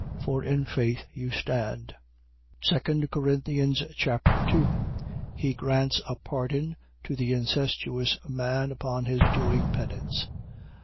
For in faith you stand. 2 Corinthians Chapter 2 He grants a pardon to the incestuous man upon his doing penance.